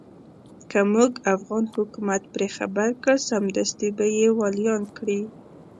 که موږ افغان حکومت پرې خبر کړ سمدستي به يې واليان کړي.